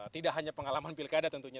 tidak hanya pengalaman pilkada tentunya